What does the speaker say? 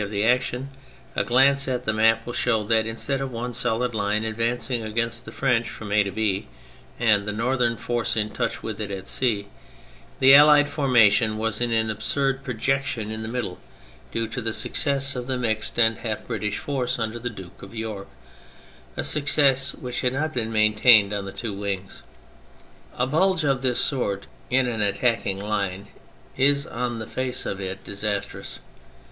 of the action, a glance at the map will show that instead of one solid line advancing against the French from A to B, and the northern force in touch with it at C, the Allied formation was an absurd projection in the 208 THE FRENCH REVOLUTION middle, due to the success of the mixed and half British force under the Duke of York : a success which had not been maintained on the two wings. A bulge of this sort in an attacking line is on the face of it disastrous.